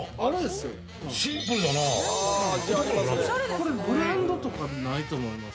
これブランドとかないと思います。